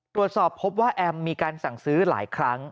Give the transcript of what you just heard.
ตรวจสอบพบว่าแอมมีการสั่งซื้อหลายครั้ง